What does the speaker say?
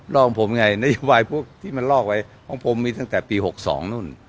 อกของผมไงนโยบายพวกที่มันลอกไว้ของผมมีตั้งแต่ปี๖๒นู่น